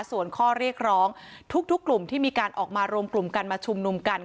ส่วนข้อเรียกร้องทุกกลุ่มที่มีการออกมารวมกลุ่มกันมาชุมนุมกัน